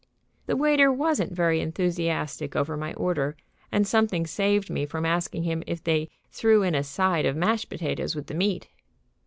The waiter wasn't very enthusiastic over my order, and something saved me from asking him if they threw in "a side" of mashed potatoes with the meat.